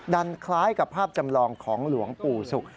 คล้ายกับภาพจำลองของหลวงปู่ศุกร์